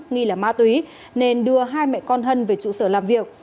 nghi là ma túy nên đưa hai mẹ con hân về trụ sở làm việc